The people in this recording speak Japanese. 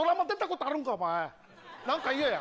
何か言えや。